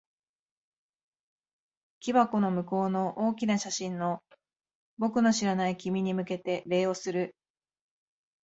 木箱の向こうの大きな写真の、僕の知らない君に向けて礼をする。